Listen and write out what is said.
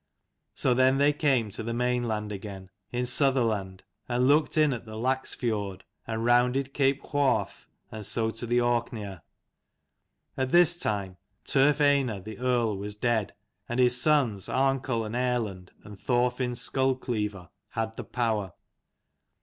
So then they came to the mainland again, in Sutherland, and looked in at the Lax fiord, and rounded Cape Hwarf, and so to the Orkneyar. At this time Turf Einar the earl was dead, and his sons Arnkel and Erlend and Thorfin Skull cleaver had the power.